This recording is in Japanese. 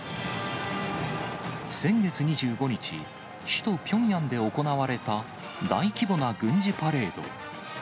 先月２５日、首都ピョンヤンで行われた大規模な軍事パレード。